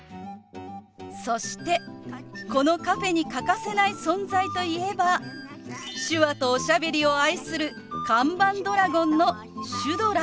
そしてこのカフェに欠かせない存在といえば手話とおしゃべりを愛する看板ドラゴンのシュドラ。